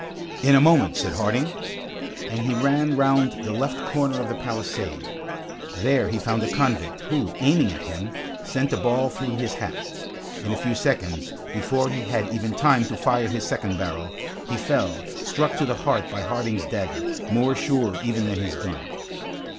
"In a moment," said Harding. And he ran round the left corner of the palisade. There he found a convict, who aiming at him, sent a ball through his hat. In a few seconds, before he had even time to fire his second barrel, he fell, struck to the heart by Harding's dagger, more sure even than his gun.